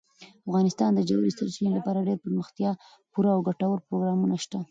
افغانستان کې د ژورې سرچینې لپاره دپرمختیا پوره او ګټور پروګرامونه شته.